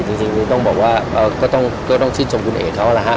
จริงนี้ก็ต้องซิ่งทรงคุณเอกเขาละฮะ